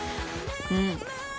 うん。